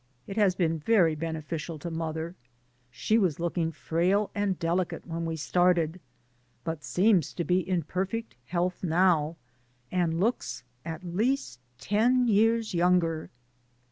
It has been very beneficial to mother. She was looking frail and delicate when we started, but seems to be in perfect health now, and looks at least ten years younger.